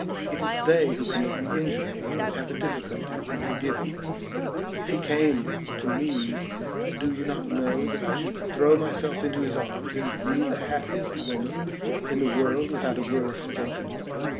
It is they who commit the injury that have a difficulty in forgiving. If he came to me do you not know that I should throw myself into his arms and be the happiest woman in the world without a word spoken?"